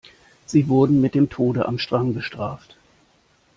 Sie wurden mit dem Tode am Strang bestraft.